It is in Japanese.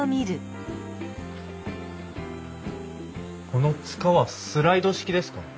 このつかはスライド式ですか？